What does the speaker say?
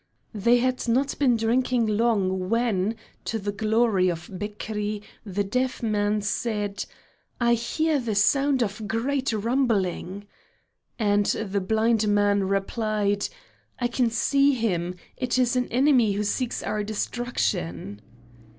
They had not been drinking long when, to the glory of Bekri, the deaf man said: "I hear the sound of great rumbling." And the blind man replied: "I can see him; it is an enemy who seeks our destruction."